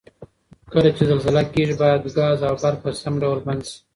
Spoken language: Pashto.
کله چې زلزله کیږي باید ګاز او برق په سم ډول بند شي؟